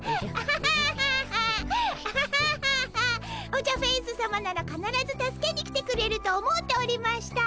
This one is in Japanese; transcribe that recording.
オジャフェウスさまならかならず助けに来てくれると思うておりました。